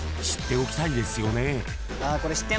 ［知っておきたいですよね］